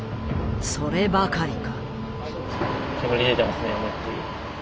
そればかりか。